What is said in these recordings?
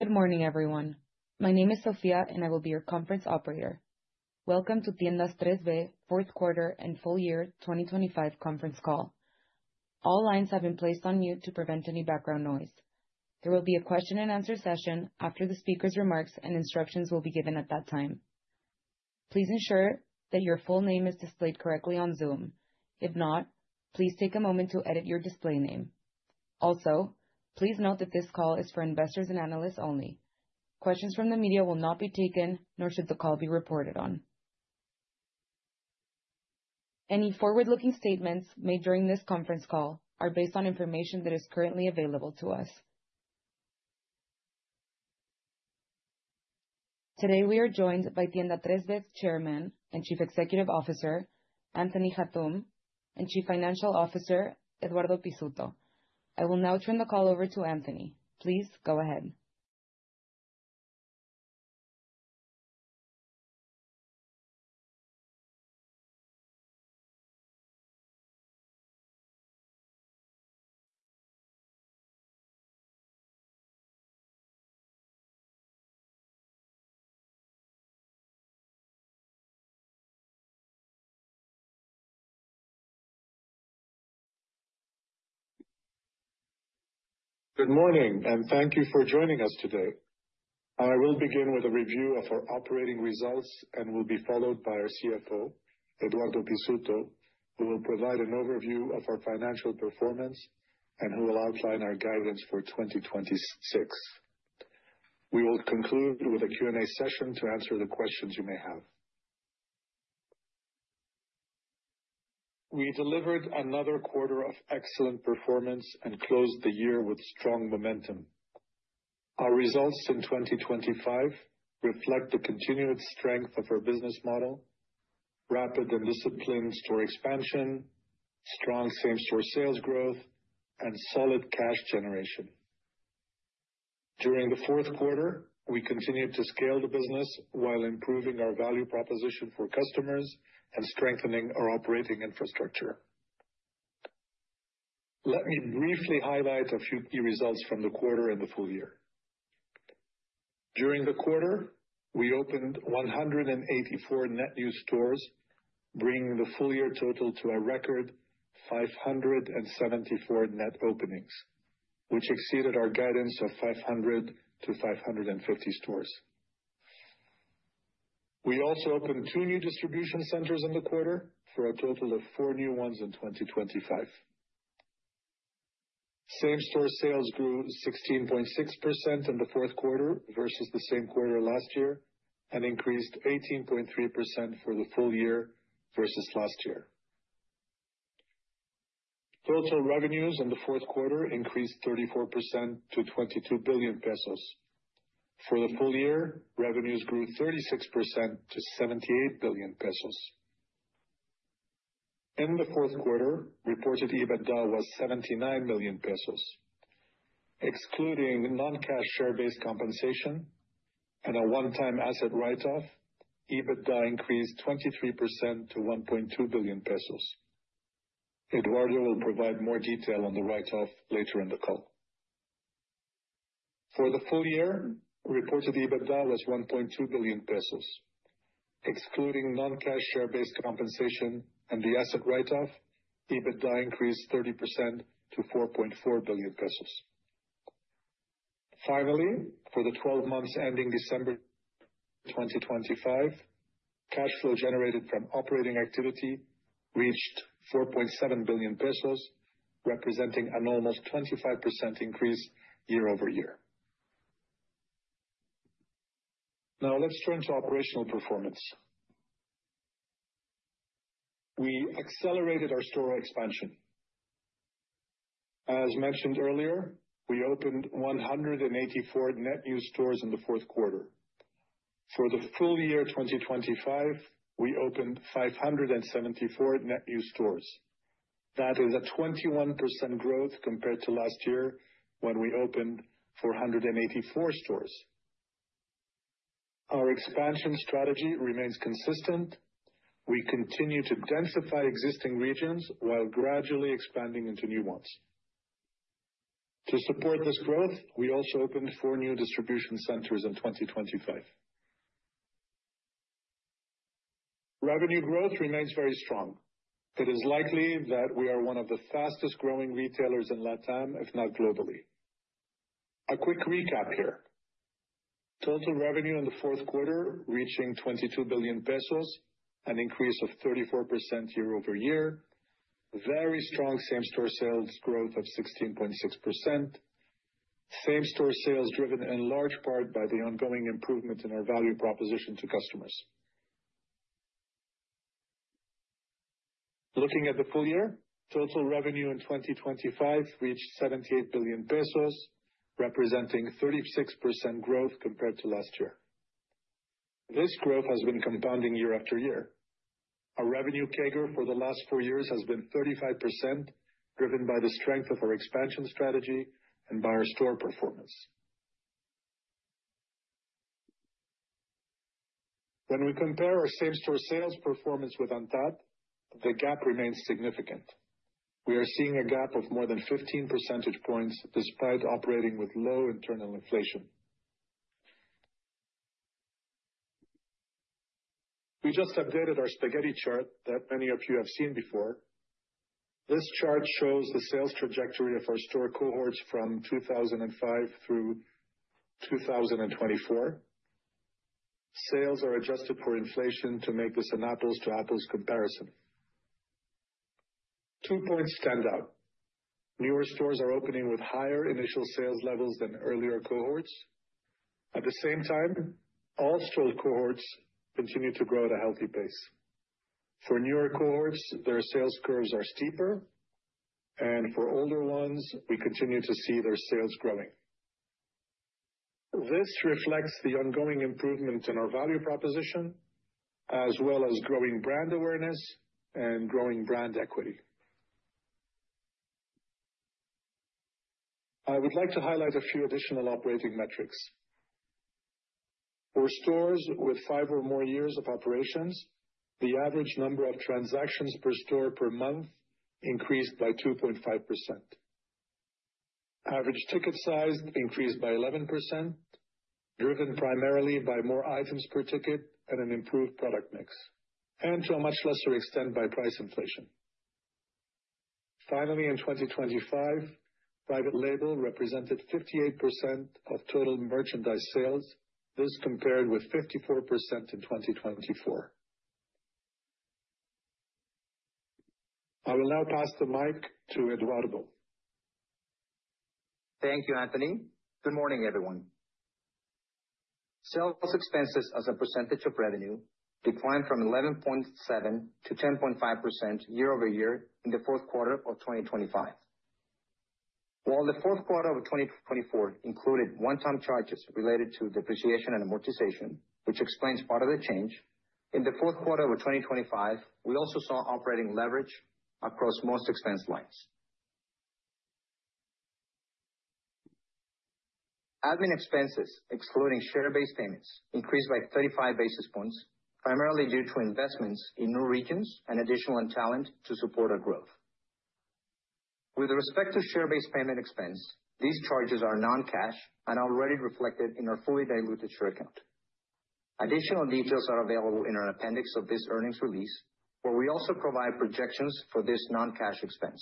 Good morning, everyone. My name is Sophia, and I will be your conference operator. Welcome to Tiendas 3B fourth quarter and full year 2025 conference call. All lines have been placed on mute to prevent any background noise. There will be a question and answer session after the speaker's remarks and instructions will be given at that time. Please ensure that your full name is displayed correctly on Zoom. If not, please take a moment to edit your display name. Also, please note that this call is for investors and analysts only. Questions from the media will not be taken, nor should the call be reported on. Any forward-looking statements made during this conference call are based on information that is currently available to us. Today we are joined by Tiendas 3B's Chairman and Chief Executive Officer, Anthony Hatoum, and Chief Financial Officer, Eduardo Pizzuto. I will now turn the call over to Anthony. Please go ahead. Good morning, and thank you for joining us today. I will begin with a review of our operating results and will be followed by our CFO, Eduardo Pizzuto, who will provide an overview of our financial performance and who will outline our guidance for 2026. We will conclude with a Q&A session to answer the questions you may have. We delivered another quarter of excellent performance and closed the year with strong momentum. Our results in 2025 reflect the continued strength of our business model, rapid and disciplined store expansion, strong same-store sales growth, and solid cash generation. During the fourth quarter, we continued to scale the business while improving our value proposition for customers and strengthening our operating infrastructure. Let me briefly highlight a few key results from the quarter and the full year. During the quarter, we opened 184 net new stores, bringing the full year total to a record 574 net openings, which exceeded our guidance of 500-550 stores. We also opened two new distribution centers in the quarter for a total of four new ones in 2025. Same-store sales grew 16.6% in the fourth quarter versus the same quarter last year and increased 18.3% for the full year versus last year. Total revenues in the fourth quarter increased 34% to 22 billion pesos. For the full year, revenues grew 36% to 78 billion pesos. In the fourth quarter, reported EBITDA was 79 million pesos. Excluding non-cash share-based compensation and a one-time asset write-off, EBITDA increased 23% to 1.2 billion pesos. Eduardo will provide more detail on the write-off later in the call. For the full year, reported EBITDA was 1.2 billion pesos. Excluding non-cash share-based compensation and the asset write-off, EBITDA increased 30% to 4.4 billion pesos. Finally, for the twelve months ending December 2025, cash flow generated from operating activity reached 4.7 billion pesos, representing an almost 25% increase year-over-year. Now let's turn to operational performance. We accelerated our store expansion. As mentioned earlier, we opened 184 net new stores in the fourth quarter. For the full year 2025, we opened 574 net new stores. That is a 21% growth compared to last year when we opened 484 stores. Our expansion strategy remains consistent. We continue to densify existing regions while gradually expanding into new ones. To support this growth, we also opened 4 new distribution centers in 2025. Revenue growth remains very strong. It is likely that we are one of the fastest-growing retailers in LatAm, if not globally. A quick recap here. Total revenue in the fourth quarter reaching 22 billion pesos, an increase of 34% year-over-year. Very strong same-store sales growth of 16.6%. Same-store sales driven in large part by the ongoing improvement in our value proposition to customers. Looking at the full year, total revenue in 2025 reached 78 billion pesos, representing 36% growth compared to last year. This growth has been compounding year after year. Our revenue CAGR for the last four years has been 35%, driven by the strength of our expansion strategy and by our store performance. When we compare our same-store sales performance with ANTAD, the gap remains significant. We are seeing a gap of more than 15 percentage points despite operating with low internal inflation. We just updated our spaghetti chart that many of you have seen before. This chart shows the sales trajectory of our store cohorts from 2005 through 2024. Sales are adjusted for inflation to make this an apples to apples comparison. Two points stand out. Newer stores are opening with higher initial sales levels than earlier cohorts. At the same time, all store cohorts continue to grow at a healthy pace. For newer cohorts, their sales curves are steeper, and for older ones, we continue to see their sales growing. This reflects the ongoing improvement in our value proposition, as well as growing brand awareness and growing brand equity. I would like to highlight a few additional operating metrics. For stores with five or more years of operations, the average number of transactions per store per month increased by 2.5%. Average ticket size increased by 11%, driven primarily by more items per ticket and an improved product mix, and to a much lesser extent, by price inflation. Finally, in 2025, private label represented 58% of total merchandise sales. This compared with 54% in 2024. I will now pass the mic to Eduardo. Thank you, Anthony. Good morning, everyone. Sales expenses as a percentage of revenue declined from 11.7% to 10.5% year-over-year in the fourth quarter of 2025. While the fourth quarter of 2024 included one-time charges related to depreciation and amortization, which explains part of the change, in the fourth quarter of 2025, we also saw operating leverage across most expense lines. Admin expenses excluding share-based payments increased by 35 basis points, primarily due to investments in new regions and additional talent to support our growth. With respect to share-based payment expense, these charges are non-cash and already reflected in our fully diluted share count. Additional details are available in our appendix of this earnings release, where we also provide projections for this non-cash expense.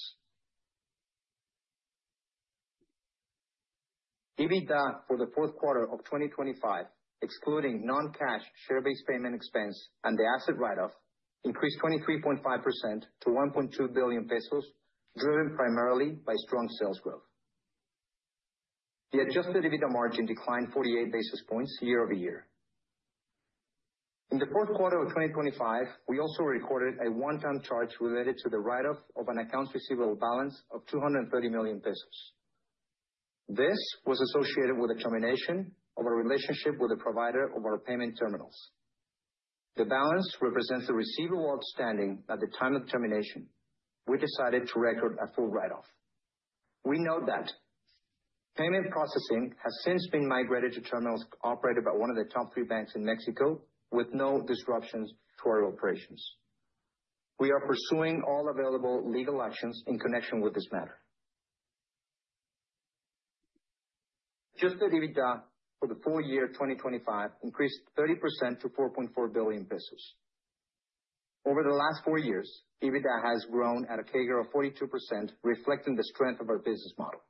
EBITDA for the fourth quarter of 2025, excluding non-cash share-based payment expense and the asset write-off, increased 23.5% to 1.2 billion pesos, driven primarily by strong sales growth. The adjusted EBITDA margin declined 48 basis points year-over-year. In the fourth quarter of 2025, we also recorded a one-time charge related to the write off of an accounts receivable balance of 230 million pesos. This was associated with the termination of a relationship with the provider of our payment terminals. The balance represents the receivable outstanding at the time of termination. We decided to record a full write off. We note that payment processing has since been migrated to terminals operated by one of the top three banks in Mexico with no disruptions to our operations. We are pursuing all available legal actions in connection with this matter. Adjusted EBITDA for the full year 2025 increased 30% to 4.4 billion pesos. Over the last 4 years, EBITDA has grown at a CAGR of 42%, reflecting the strength of our business model.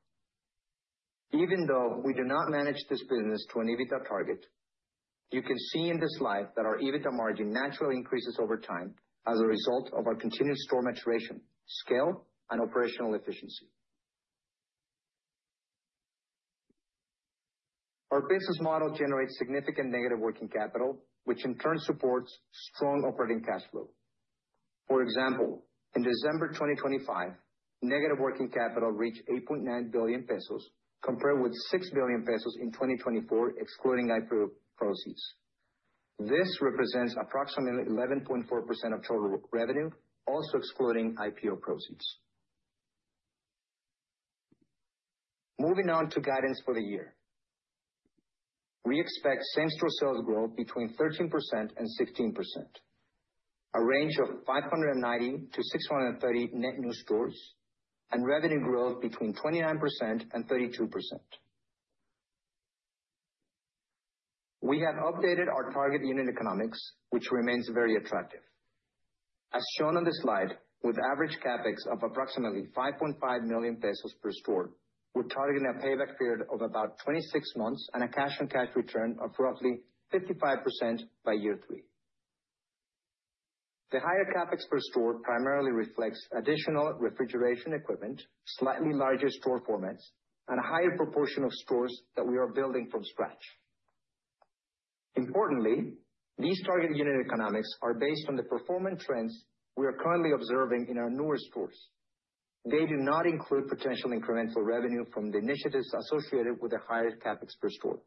Even though we do not manage this business to an EBITDA target, you can see in this slide that our EBITDA margin naturally increases over time as a result of our continued store maturation, scale, and operational efficiency. Our business model generates significant negative working capital, which in turn supports strong operating cash flow. For example, in December 2025, negative working capital reached 8.9 billion pesos, compared with 6 billion pesos in 2024, excluding IPO proceeds. This represents approximately 11.4% of total revenue, also excluding IPO proceeds. Moving on to guidance for the year. We expect same-store sales growth between 13% and 16%, a range of 590-630 net new stores, and revenue growth between 29% and 32%. We have updated our target unit economics, which remains very attractive. As shown on this slide, with average CapEx of approximately 5.5 million pesos per store, we're targeting a payback period of about 26 months and a cash on cash return of roughly 55% by year three. The higher CapEx per store primarily reflects additional refrigeration equipment, slightly larger store formats, and a higher proportion of stores that we are building from scratch. Importantly, these target unit economics are based on the performance trends we are currently observing in our newer stores. They do not include potential incremental revenue from the initiatives associated with the higher CapEx per store.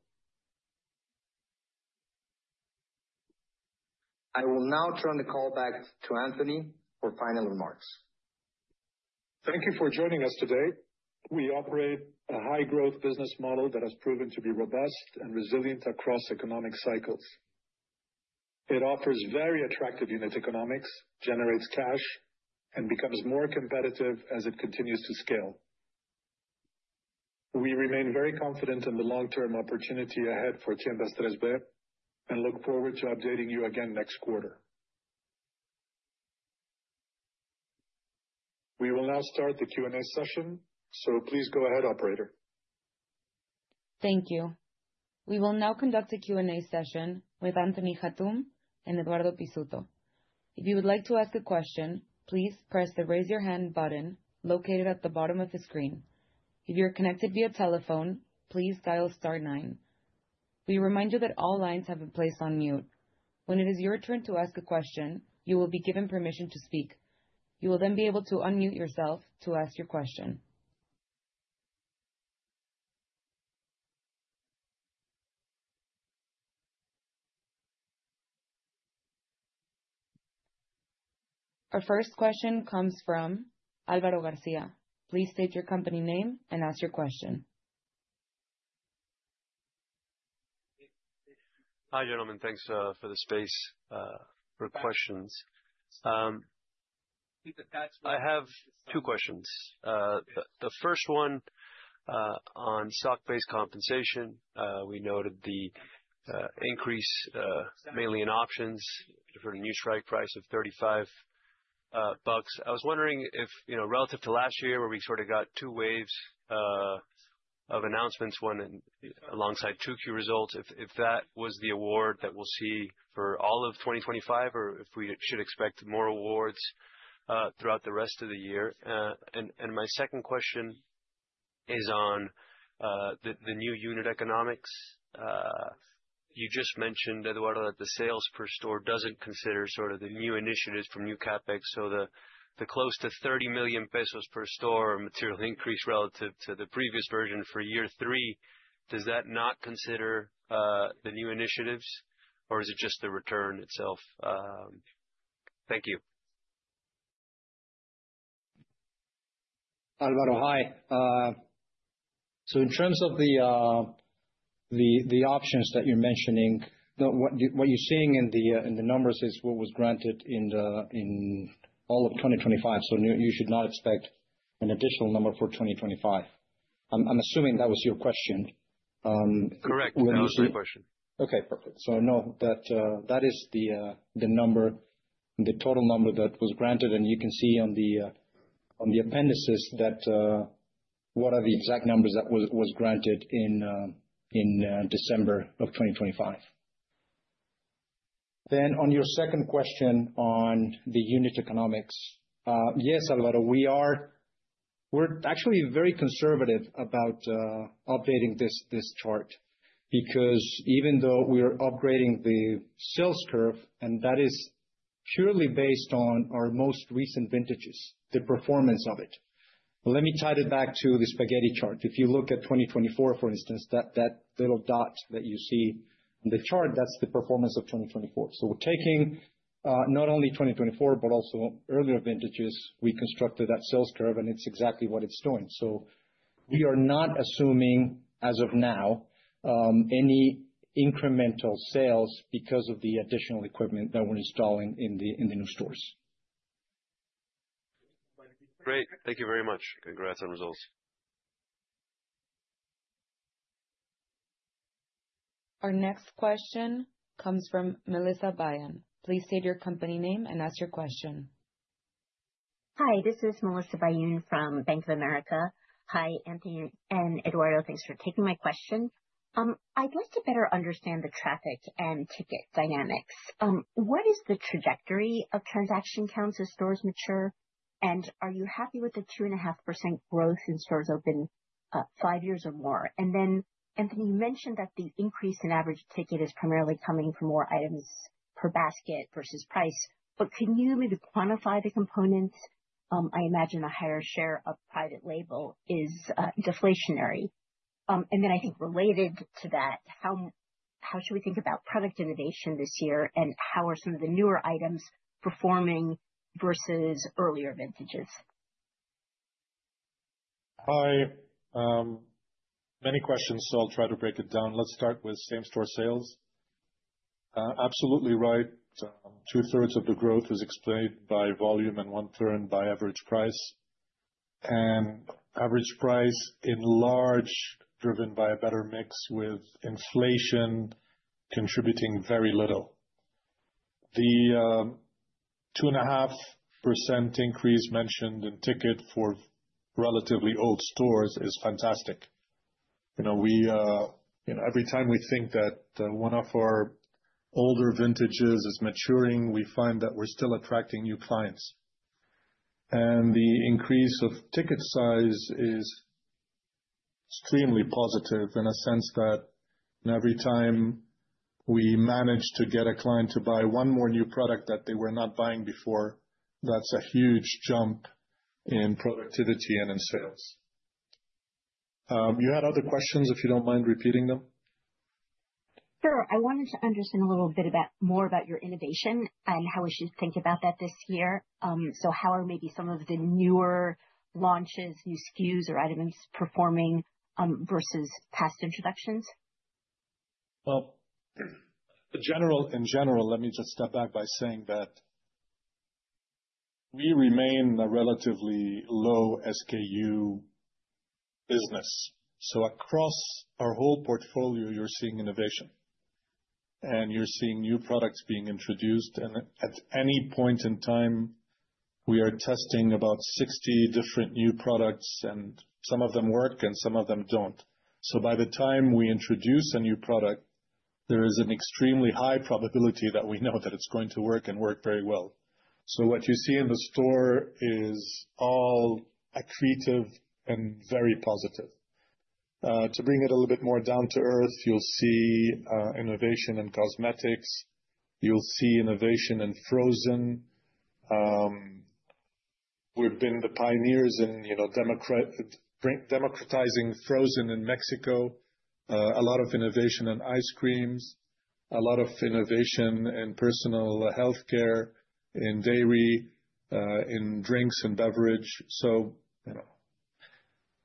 I will now turn the call back to Anthony for final remarks. Thank you for joining us today. We operate a high growth business model that has proven to be robust and resilient across economic cycles. It offers very attractive unit economics, generates cash, and becomes more competitive as it continues to scale. We remain very confident in the long-term opportunity ahead for Tiendas 3B and look forward to updating you again next quarter. We will now start the Q&A session, so please go ahead, operator. Thank you. We will now conduct a Q&A session with Anthony Hatoum and Eduardo Pizzuto. If you would like to ask a question, please press the Raise Your Hand button located at the bottom of the screen. If you're connected via telephone, please dial star nine. We remind you that all lines have been placed on mute. When it is your turn to ask a question, you will be given permission to speak. You will then be able to unmute yourself to ask your question. Our first question comes from Álvaro García. Please state your company name and ask your question. Hi, gentlemen. Thanks for the space for questions. I have two questions. The first one on stock-based compensation. We noted the increase mainly in options for a new strike price of $35. I was wondering if, you know, relative to last year, where we sort of got two waves of announcements, one alongside 2Q results. If that was the award that we'll see for all of 2025, or if we should expect more awards throughout the rest of the year. My second question is on the new unit economics. You just mentioned, Eduardo, that the sales per store doesn't consider sort of the new initiatives from new CapEx. The close to 30 million pesos per store material increase relative to the previous version for year three, does that not consider the new initiatives, or is it just the return itself? Thank you. Álvaro, hi. In terms of the options that you're mentioning, what you're seeing in the numbers is what was granted in all of 2025. You should not expect an additional number for 2025. I'm assuming that was your question. Correct. That was my question. Okay, perfect. So no, that is the number, the total number that was granted, and you can see on the appendices that what are the exact numbers that was granted in December of 2025. On your second question on the unit economics. Yes, Álvaro, we're actually very conservative about updating this chart because even though we are upgrading the sales curve, and that is purely based on our most recent vintages, the performance of it. Let me tie it back to the spaghetti chart. If you look at 2024, for instance, that little dot that you see on the chart, that's the performance of 2024. We're taking not only 2024 but also earlier vintages. We constructed that sales curve, and it's exactly what it's doing. We are not assuming, as of now, any incremental sales because of the additional equipment that we're installing in the new stores. Great. Thank you very much. Congrats on the results. Our next question comes from Melissa Byun. Please state your company name and ask your question. Hi, this is Melissa Byun from Bank of America. Hi, Anthony and Eduardo. Thanks for taking my question. I'd like to better understand the traffic and ticket dynamics. What is the trajectory of transaction counts as stores mature? Are you happy with the 2.5% growth in stores open five years or more? Then, Anthony, you mentioned that the increase in average ticket is primarily coming from more items per basket versus price, but can you maybe quantify the components? I imagine a higher share of private label is deflationary. Then I think related to that, how should we think about product innovation this year, and how are some of the newer items performing versus earlier vintages? Hi. Many questions, so I'll try to break it down. Let's start with same-store sales. Absolutely right. Two-thirds of the growth is explained by volume and one-third by average price. Average price, in large part, driven by a better mix, with inflation contributing very little. The two and a half percent increase mentioned in ticket for relatively old stores is fantastic. You know, we, you know, every time we think that, one of our older vintages is maturing, we find that we're still attracting new clients. The increase of ticket size is extremely positive in a sense that every time we manage to get a client to buy one more new product that they were not buying before, that's a huge jump in productivity and in sales. You had other questions, if you don't mind repeating them? Sure. I wanted to understand a little bit more about your innovation and how we should think about that this year. So how are maybe some of the newer launches, new SKUs or items performing versus past introductions? In general, let me just step back by saying that we remain a relatively low SKU business. Across our whole portfolio, you're seeing innovation and you're seeing new products being introduced. At any point in time, we are testing about 60 different new products, and some of them work and some of them don't. By the time we introduce a new product, there is an extremely high probability that we know that it's going to work and work very well. What you see in the store is all accretive and very positive. To bring it a little bit more down to earth, you'll see innovation in cosmetics, you'll see innovation in frozen. We've been the pioneers in, you know, democratizing frozen in Mexico. A lot of innovation in ice creams, a lot of innovation in personal healthcare, in dairy, in drinks and beverage. You know,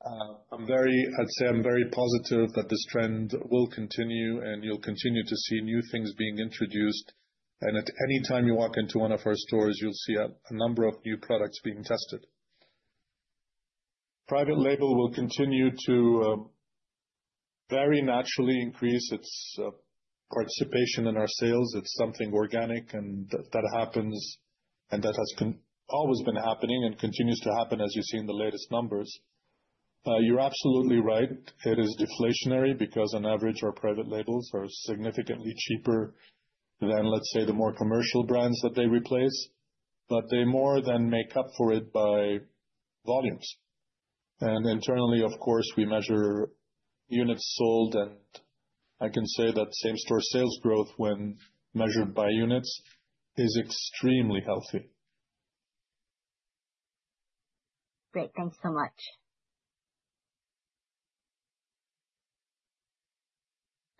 I'd say I'm very positive that this trend will continue and you'll continue to see new things being introduced. At any time you walk into one of our stores, you'll see a number of new products being tested. Private label will continue to very naturally increase its participation in our sales. It's something organic and that happens and that has always been happening and continues to happen as you see in the latest numbers. You're absolutely right, it is deflationary because on average, our private labels are significantly cheaper than, let's say, the more commercial brands that they replace. They more than make up for it by volumes. Internally, of course, we measure units sold, and I can say that same-store sales growth when measured by units is extremely healthy. Great. Thanks so much.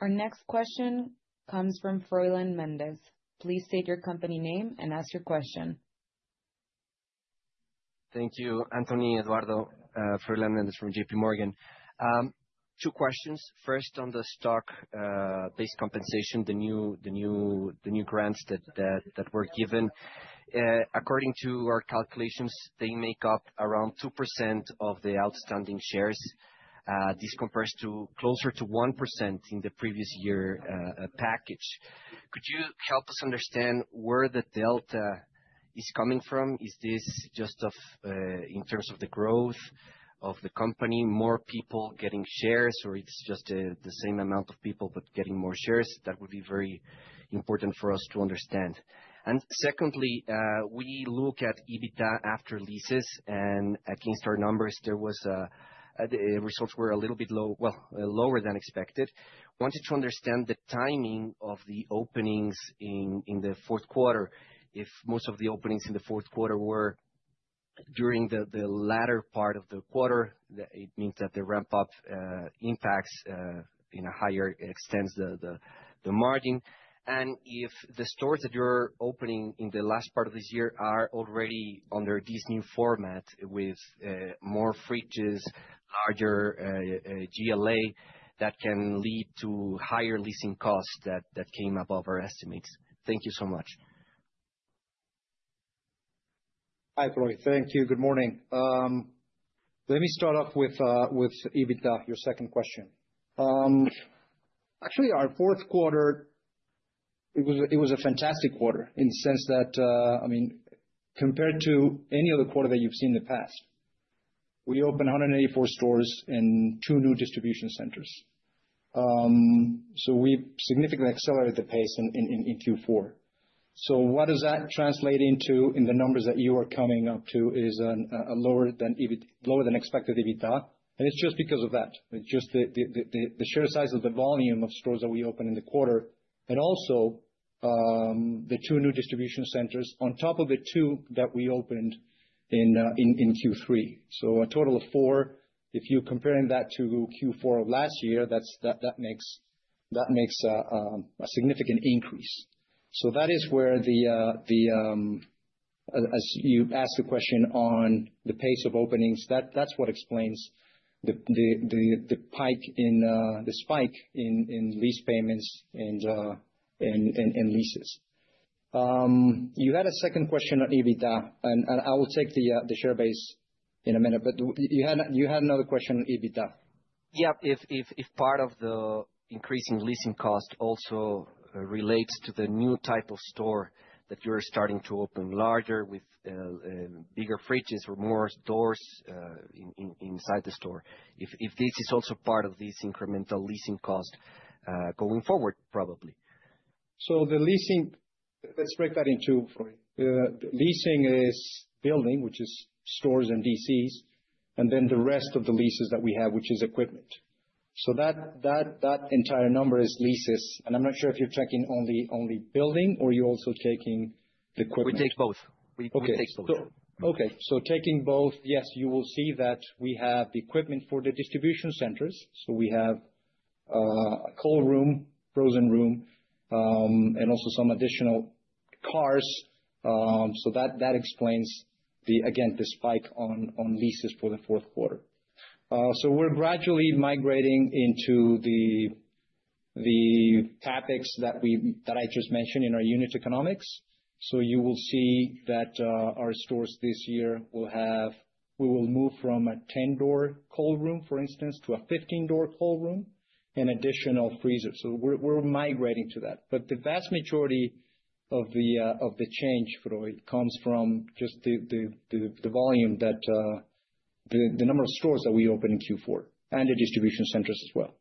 Our next question comes from Froylan Mendez. Please state your company name and ask your question. Thank you. Froylan Mendez from JPMorgan. Two questions. First, on the stock-based compensation, the new grants that were given. According to our calculations, they make up around 2% of the outstanding shares. This compares to closer to 1% in the previous year package. Could you help us understand where the delta is coming from? Is this just in terms of the growth of the company, more people getting shares, or it's just the same amount of people but getting more shares? That would be very important for us to understand. Secondly, we look at EBITDA after leases, and against our numbers, the results were a little bit low, well, lower than expected. Wanted to understand the timing of the openings in the fourth quarter. If most of the openings in the fourth quarter were during the latter part of the quarter, that it means that the ramp-up impacts, you know, higher extends the margin. If the stores that you're opening in the last part of this year are already under this new format with more fridges, larger GLA, that can lead to higher leasing costs that came above our estimates. Thank you so much. Hi, Froy. Thank you. Good morning. Let me start off with EBITDA, your second question. Actually, our fourth quarter, it was a fantastic quarter in the sense that, I mean, compared to any other quarter that you've seen in the past. We opened 184 stores and two new distribution centers. We significantly accelerated the pace in Q4. What does that translate into in the numbers that you are coming up to is a lower than expected EBITDA. It's just because of that. It's just the sheer size of the volume of stores that we opened in the quarter, and also, the two new distribution centers on top of the two that we opened in Q3. A total of four. If you're comparing that to Q4 of last year, that's what makes a significant increase. As you asked the question on the pace of openings, that's what explains the spike in lease payments and leases. You had a second question on EBITDA, and I will take the share-based in a minute. You had another question on EBITDA. Yeah. If part of the increasing leasing cost also relates to the new type of store that you're starting to open larger with bigger fridges or more stores inside the store. If this is also part of this incremental leasing cost going forward, probably. The leasing. Let's break that in two for you. Leasing is building, which is stores and DCs, and then the rest of the leases that we have, which is equipment. That entire number is leases. I'm not sure if you're tracking only building or you're also taking the equipment. We take both. Okay. We take both. Okay. Taking both, yes, you will see that we have the equipment for the distribution centers. We have- A cold room, frozen room, and also some additional cars. That explains the spike again in leases for the fourth quarter. We're gradually migrating into the topics that I just mentioned in our unit economics. You will see that our stores this year will have. We will move from a 10-door cold room, for instance, to a 15-door cold room and additional freezers. We're migrating to that. The vast majority of change, Froy, comes from just the volume, the number of stores that we opened in Q4, and the distribution centers as well.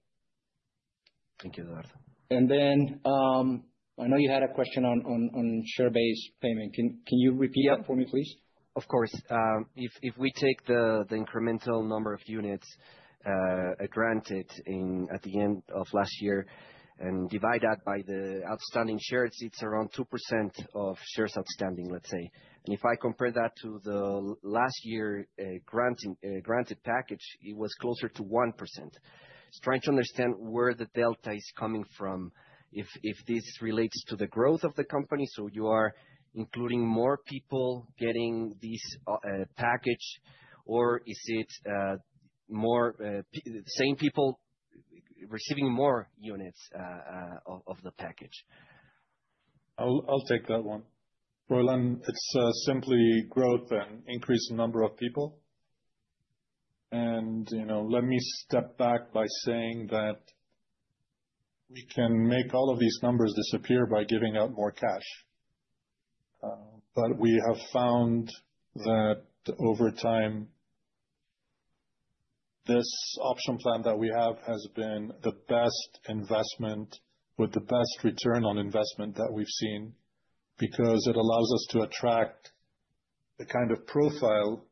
Thank you, Eduardo. I know you had a question on share-based payment. Can you repeat that for me, please? Of course. If we take the incremental number of units granted at the end of last year and divide that by the outstanding shares, it's around 2% of shares outstanding, let's say. If I compare that to the last year granted package, it was closer to 1%. Just trying to understand where the delta is coming from, if this relates to the growth of the company, so you are including more people getting these package? Or is it the same people receiving more units of the package? I'll take that one. Froylan, then it's simply growth and increased number of people. You know, let me step back by saying that we can make all of these numbers disappear by giving out more cash. But we have found that over time, this option plan that we have has been the best investment with the best return on investment that we've seen, because it allows us to attract the kind of profile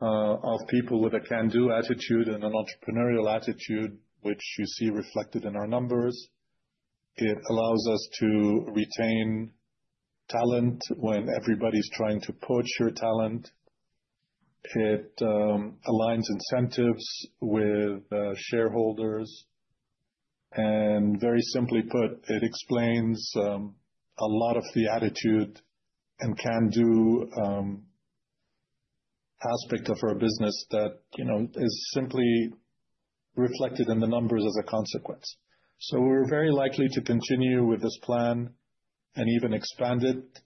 of people with a can-do attitude and an entrepreneurial attitude, which you see reflected in our numbers. It allows us to retain talent when everybody's trying to poach your talent. It aligns incentives with shareholders. Very simply put, it explains a lot of the attitude and can-do aspect of our business that you know is simply reflected in the numbers as a consequence. We're very likely to continue with this plan and even expand it,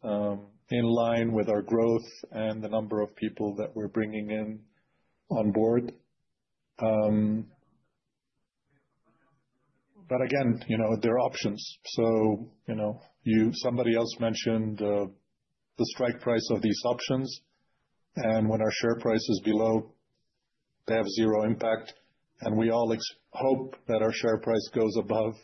in line with our growth and the number of people that we're bringing in on board. Again, you know, they're options. You know, somebody else mentioned the strike price of these options, and when our share price is below, they have zero impact, and we all hope that our share price goes above.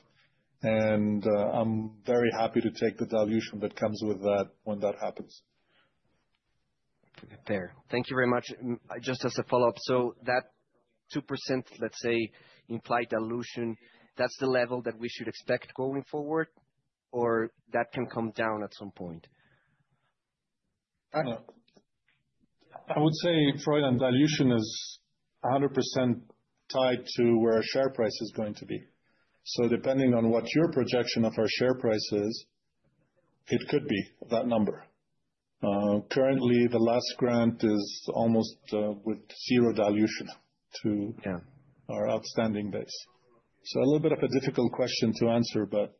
I'm very happy to take the dilution that comes with that when that happens. Fair. Thank you very much. Just as a follow-up, so that 2%, let's say, implied dilution, that's the level that we should expect going forward, or that can come down at some point? I say, Froylan, dilution is 100% tied to where our share price is going to be. Depending on what your projection of our share price is, it could be that number. Currently the last grant is almost with zero dilution to- Yeah. our outstanding base. A little bit of a difficult question to answer, but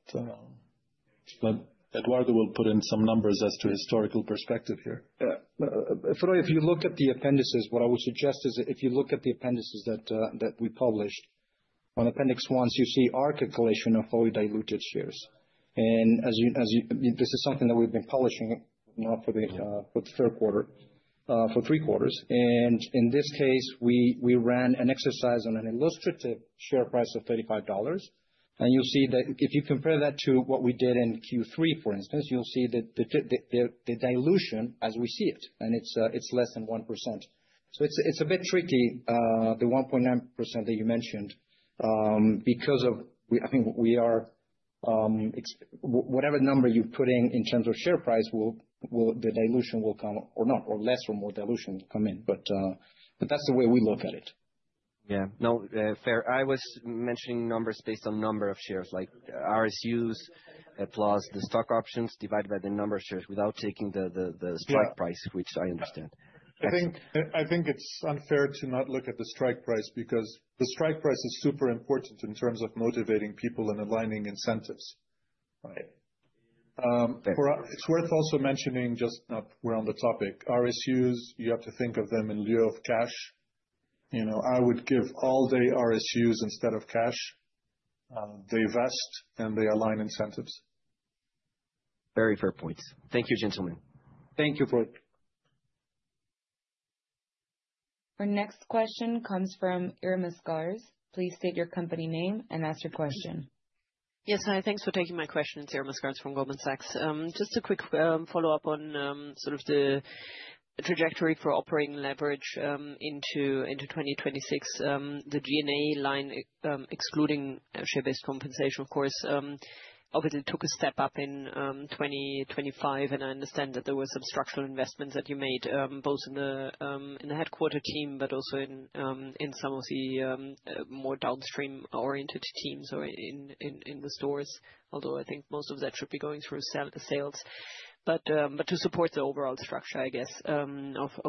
Eduardo will put in some numbers as to historical perspective here. Yeah. Froy, what I would suggest is if you look at the appendices that we published. On Appendix 1, you see our calculation of fully diluted shares. This is something that we've been publishing now for the third quarter, for three quarters. In this case, we ran an exercise on an illustrative share price of $35. You'll see that if you compare that to what we did in Q3, for instance, you'll see the dilution as we see it, and it's less than 1%. It's a bit tricky, the 1.9% that you mentioned, because I think we are whatever number you put in in terms of share price will the dilution will come or not, or less or more dilution will come in. That's the way we look at it. Yeah. No, fair. I was mentioning numbers based on number of shares, like RSUs plus the stock options divided by the number of shares without taking the strike price, which I understand. I think it's unfair to not look at the strike price because the strike price is super important in terms of motivating people and aligning incentives. Right. Thank you. Froy, it's worth also mentioning just, we're on the topic. RSUs, you have to think of them in lieu of cash. You know, I would give all the RSUs instead of cash. They vest, and they align incentives. Very fair points. Thank you, gentlemen. Thank you, Froy. Our next question comes from Irma Sgarz. Please state your company name and ask your question. Yes, hi. Thanks for taking my question. It's Irma Sgarz from Goldman Sachs. Just a quick follow-up on sort of the trajectory for operating leverage into 2026, the G&A line excluding share-based compensation, of course, obviously took a step up in 2025, and I understand that there were some structural investments that you made, both in the headquarters team, but also in some of the more downstream-oriented teams or in the stores. Although I think most of that should be going through sales. To support the overall structure, I guess, of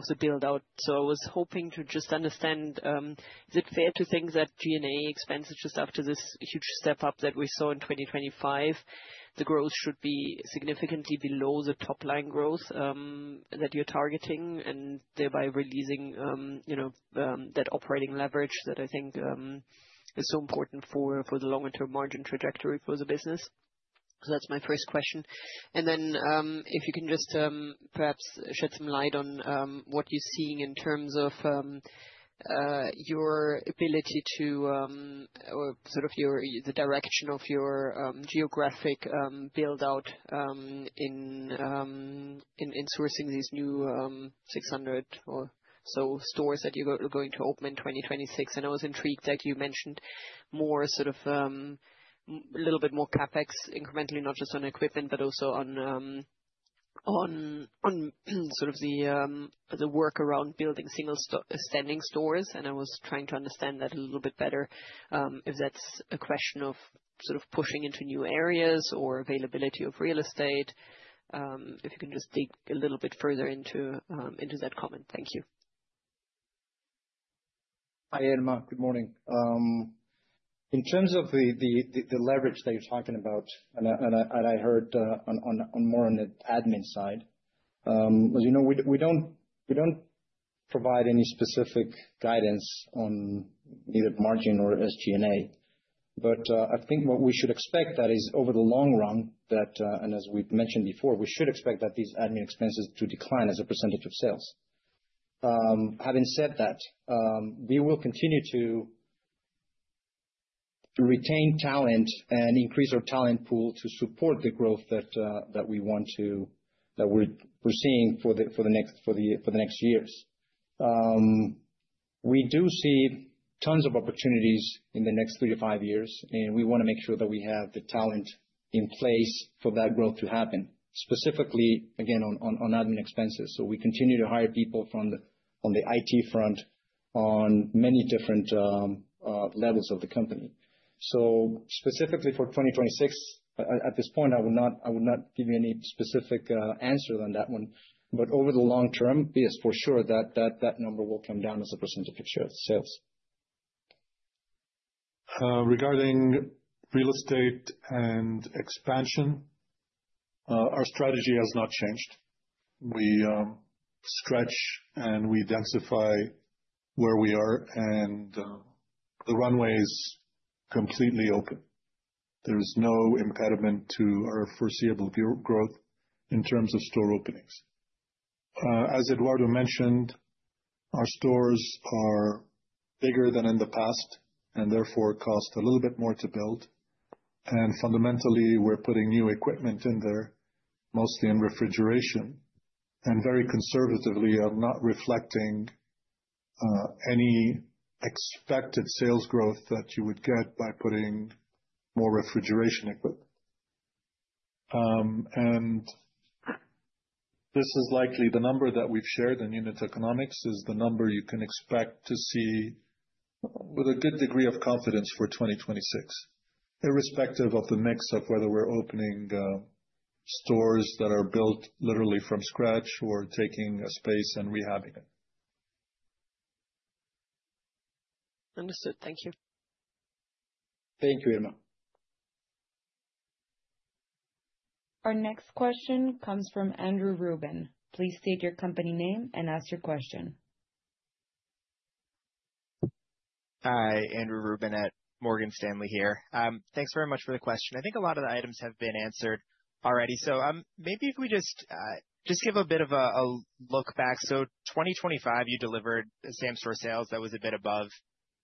the build-out. I was hoping to just understand, is it fair to think that G&A expenses, just after this huge step up that we saw in 2025, the growth should be significantly below the top line growth, that you're targeting and thereby releasing, you know, that operating leverage that I think is so important for the long-term margin trajectory for the business? That's my first question. Then, if you can just perhaps shed some light on what you're seeing in terms of your ability to or sort of your the direction of your geographic build-out in sourcing these new 600 or so stores that you're going to open in 2026. I was intrigued that you mentioned more sort of a little bit more CapEx incrementally, not just on equipment, but also on the work around building single standing stores. I was trying to understand that a little bit better, if that's a question of sort of pushing into new areas or availability of real estate, if you can just dig a little bit further into that comment. Thank you. Hi, Irma. Good morning. In terms of the leverage that you're talking about, and I heard more on the admin side. As you know, we don't provide any specific guidance on either margin or SG&A. I think what we should expect, that is over the long run, and as we've mentioned before, we should expect that these admin expenses to decline as a percentage of sales. Having said that, we will continue to retain talent and increase our talent pool to support the growth that we're foreseeing for the next years. We do see tons of opportunities in the next 3-5 years, and we wanna make sure that we have the talent in place for that growth to happen, specifically, again, on admin expenses. We continue to hire people on the IT front on many different levels of the company. Specifically for 2026, at this point, I would not give you any specific answer on that one. Over the long term, be assured for sure that number will come down as a percentage of sales. Regarding real estate and expansion, our strategy has not changed. We stretch and we densify where we are and the runway is completely open. There's no impediment to our foreseeable growth in terms of store openings. As Eduardo mentioned, our stores are bigger than in the past and therefore cost a little bit more to build. Fundamentally, we're putting new equipment in there, mostly in refrigeration, and very conservatively are not reflecting any expected sales growth that you would get by putting more refrigeration equipment. This is likely the number that we've shared in unit economics is the number you can expect to see with a good degree of confidence for 2026, irrespective of the mix of whether we're opening stores that are built literally from scratch or taking a space and rehabbing it. Understood. Thank you. Thank you, Irma. Our next question comes from Andrew R. Ruben. Please state your company name and ask your question. Hi, Andrew Ruben at Morgan Stanley here. Thanks very much for the question. I think a lot of the items have been answered already, so maybe if we just give a bit of a look back. 2025, you delivered same store sales that was a bit above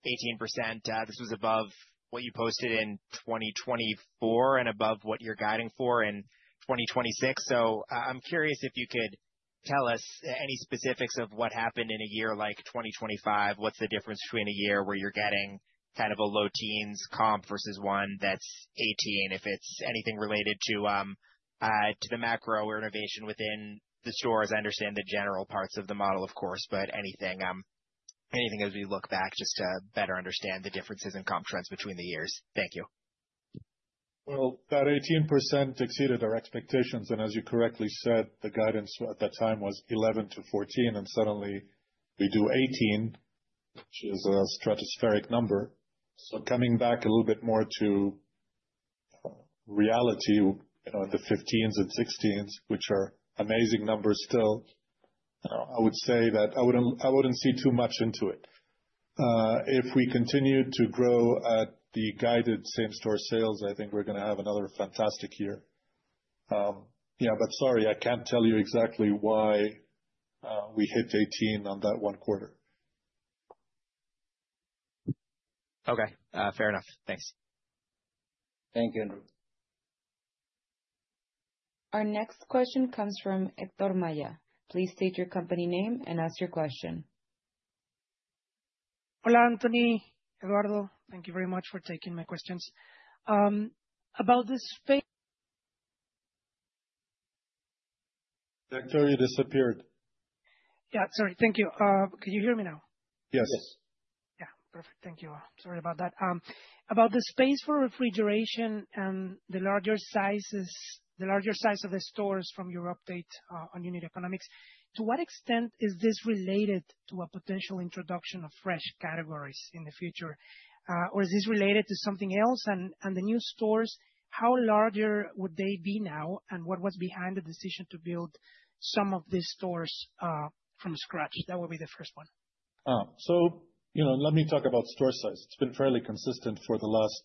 18%. This was above what you posted in 2024 and above what you're guiding for in 2026. I'm curious if you could tell us any specifics of what happened in a year like 2025. What's the difference between a year where you're getting kind of a low teens comp versus one that's 18? If it's anything related to the macro or innovation within the stores. I understand the general parts of the model, of course, but anything as we look back just to better understand the differences in comp trends between the years. Thank you. That 18% exceeded our expectations, and as you correctly said, the guidance at that time was 11%-14%, and suddenly we do 18, which is a stratospheric number. Coming back a little bit more to reality, you know, in the 15s and 16s, which are amazing numbers still, I would say that I wouldn't see too much into it. If we continue to grow at the guided same store sales, I think we're gonna have another fantastic year. Yeah, but sorry, I can't tell you exactly why we hit 18 on that one quarter. Okay. Fair enough. Thanks. Thank you. Our next question comes from Héctor Maya. Please state your company name and ask your question. Hola, Anthony, Eduardo. Thank you very much for taking my questions. Héctor, you disappeared. Yeah. Sorry. Thank you. Can you hear me now? Yes. Yeah. Perfect. Thank you. Sorry about that. About the space for refrigeration and the larger sizes, the larger size of the stores from your update on unit economics, to what extent is this related to a potential introduction of fresh categories in the future? Or is this related to something else? The new stores, how larger would they be now, and what was behind the decision to build some of these stores from scratch? That would be the first one. You know, let me talk about store size. It's been fairly consistent for the last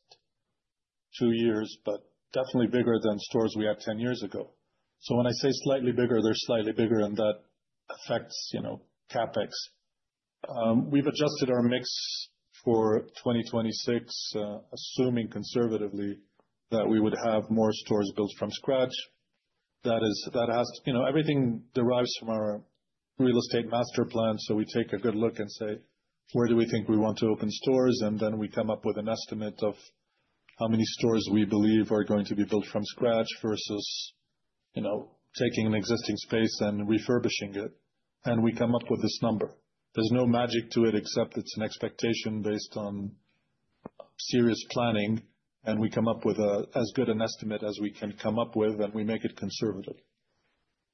two years, but definitely bigger than stores we had 10 years ago. When I say slightly bigger, they're slightly bigger, and that affects, you know, CapEx. We've adjusted our mix for 2026, assuming conservatively that we would have more stores built from scratch. Everything derives from our real estate master plan, so we take a good look and say, where do we think we want to open stores? Then we come up with an estimate of how many stores we believe are going to be built from scratch versus, you know, taking an existing space and refurbishing it. We come up with this number. There's no magic to it, except it's an expectation based on serious planning, and we come up with as good an estimate as we can come up with, and we make it conservative.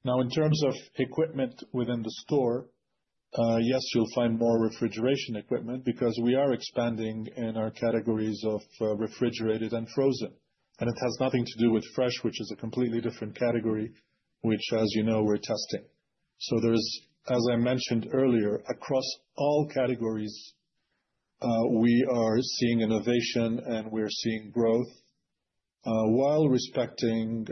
Now, in terms of equipment within the store, yes, you'll find more refrigeration equipment because we are expanding in our categories of refrigerated and frozen. It has nothing to do with fresh, which is a completely different category, which, as you know, we're testing. There's, as I mentioned earlier, across all categories, we are seeing innovation and we're seeing growth while respecting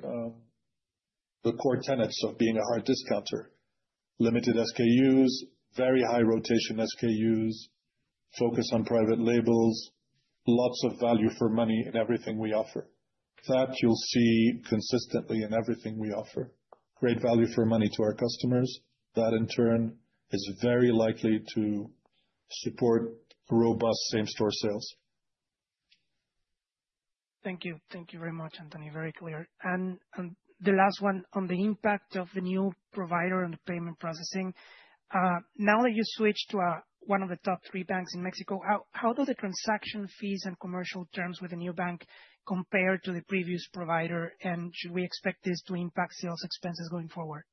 the core tenets of being a hard discounter. Limited SKUs, very high rotation SKUs, focus on private labels, lots of value for money in everything we offer. That you'll see consistently in everything we offer. Great value for money to our customers. That, in turn, is very likely to support robust same-store sales. Thank you. Thank you very much, Anthony. Very clear. The last one. On the impact of the new provider and the payment processing, now that you switched to one of the top three banks in Mexico, how do the transaction fees and commercial terms with the new bank compare to the previous provider? Should we expect this to impact sales expenses going forward?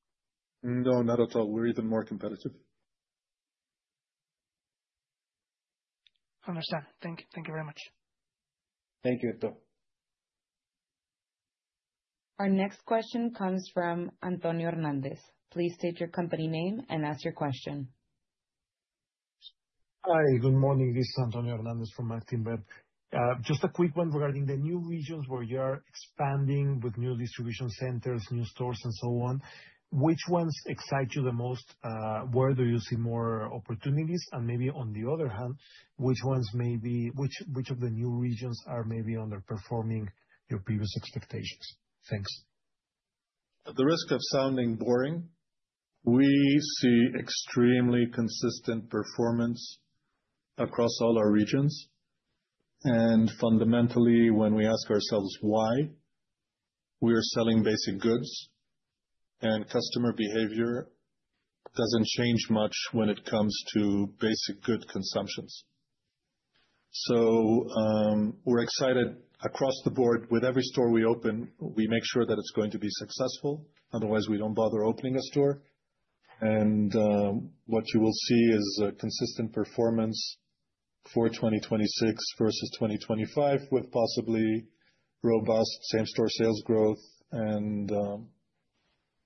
No, not at all. We're even more competitive. Understand. Thank you. Thank you very much. Thank you, Héctor. Our next question comes from Antonio Hernández. Please state your company name and ask your question. Hi. Good morning. This is Antonio Hernández from Actinver. Just a quick one regarding the new regions where you are expanding with new distribution centers, new stores and so on. Which ones excite you the most? Where do you see more opportunities? Maybe on the other hand, which of the new regions are maybe underperforming your previous expectations? Thanks. At the risk of sounding boring, we see extremely consistent performance across all our regions. Fundamentally, when we ask ourselves why, we are selling basic goods, and customer behavior doesn't change much when it comes to basic good consumptions. We're excited across the board. With every store we open, we make sure that it's going to be successful. Otherwise, we don't bother opening a store. What you will see is a consistent performance for 2026 versus 2025, with possibly robust same-store sales growth and,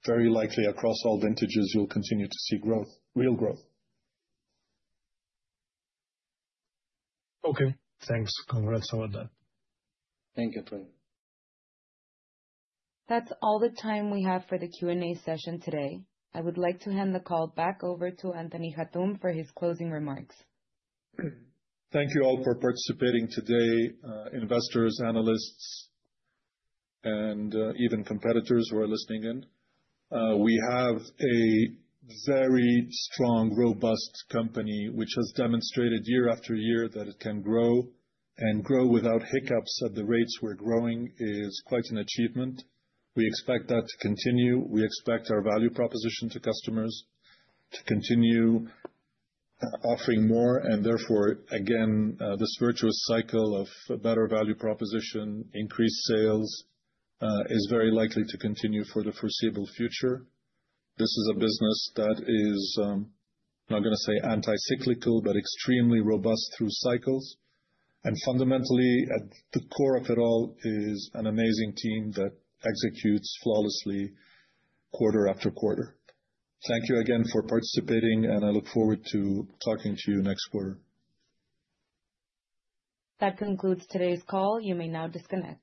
very likely across all vintages, you'll continue to see growth, real growth. Okay, thanks. Congrats on that. Thank you. That's all the time we have for the Q&A session today. I would like to hand the call back over to Anthony Hatoum for his closing remarks. Thank you all for participating today, investors, analysts, and even competitors who are listening in. We have a very strong, robust company which has demonstrated year after year that it can grow without hiccups at the rates we're growing is quite an achievement. We expect that to continue. We expect our value proposition to customers to continue offering more and therefore, again, this virtuous cycle of better value proposition, increased sales, is very likely to continue for the foreseeable future. This is a business that is, I'm not gonna say anti-cyclical, but extremely robust through cycles. Fundamentally, at the core of it all is an amazing team that executes flawlessly quarter after quarter. Thank you again for participating, and I look forward to talking to you next quarter. That concludes today's call. You may now disconnect.